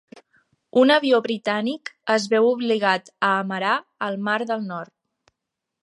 Un avió britànic es veu obligat a amarar al mar del Nord.